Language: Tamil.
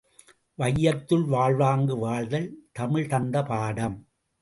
வையத்துள் வாழ்வாங்கு, வாழ்தல் தமிழ்தந்த பாடம்.